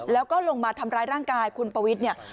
แล้วก็ลงมาทำร้ายร่างกายคุณปวิทย์เนี่ย